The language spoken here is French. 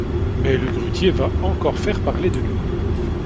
Mais le grutier va encore faire parler de lui.